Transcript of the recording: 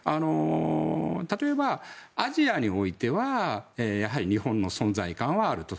例えば、アジアにおいてはやはり日本の存在感はあると。